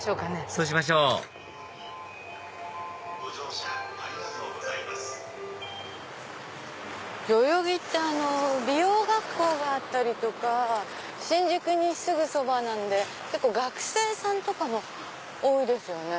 そうしましょう代々木って美容学校があったりとか新宿にすぐそばなんで学生さんとかも多いですよね。